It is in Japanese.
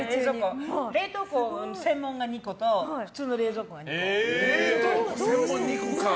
冷凍庫専門が２個と普通の冷蔵庫が２個。